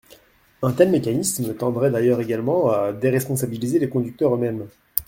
Un tel mécanisme tendrait d’ailleurs également à déresponsabiliser les conducteurs eux-mêmes.